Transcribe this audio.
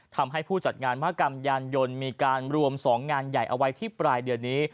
ทำให้ผู้จัดงานมหากรรมยานยนต์มีการรวม๒งานใหญ่เอาไว้ที่ปลายเดือนนี้